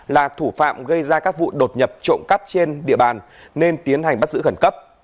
là thủ phạm gây ra các vụ đột nhập trộm cắp trên địa bàn nên tiến hành bắt giữ khẩn cấp